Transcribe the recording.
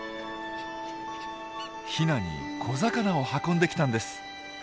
ヒナに小魚を運んできたんです。